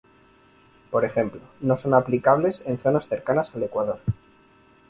Por ejemplo, no son aplicables en zonas cercanas al ecuador.